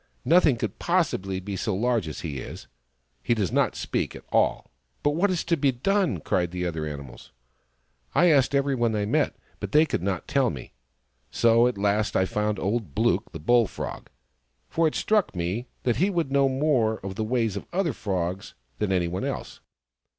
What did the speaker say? Nothing could possibly be so large as he is. He does not speak at all." " But what is to be done ?" cried the other animals. " I asked every one I met, but they coiild not THE FROG THAT LAUGHED 121 tell me. So at last I found old Blook, the Bull frog, for it struck me that he would know more of the ways of other Frogs than anyone else.